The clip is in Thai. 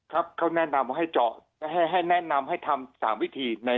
ครับเขาแนะนำให้เจาะให้แนะนำให้ทำ๓วิธีใน